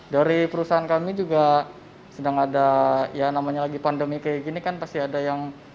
dari perusahaan kami juga sedang ada pandemi kayak gini kan pasti ada yang